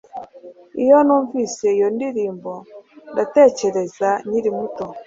Iyo numvise iyo ndirimbo ntekereza nkiri muto